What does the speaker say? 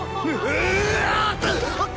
うっ！